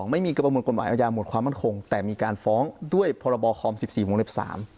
ไม่มีกระบวนกฎหมายอาญาหมดความมั่นคงแต่มีการฟ้องด้วยพรบคอมสิบสี่วงเล็บ๓